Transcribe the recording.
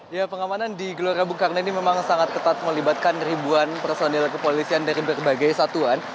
ya pengamanan di gelora bung karno ini memang sangat ketat melibatkan ribuan personil kepolisian dari berbagai satuan